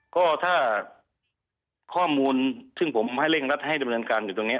ก็ถ้าข้อมูลซึ่งผมให้เร่งรัดให้ดำเนินการอยู่ตรงนี้